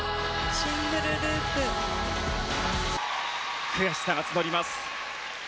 シングルループ悔しさが募ります。